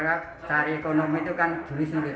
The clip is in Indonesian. karena cara ekonomi itu kan sulit sulit